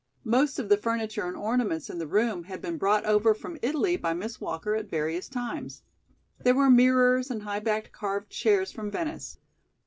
Most of the furniture and ornaments in the room had been brought over from Italy by Miss Walker at various times. There were mirrors and high backed carved chairs from Venice.